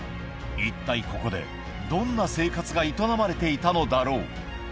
一体ここでどんな生活が営まれていたのだろう？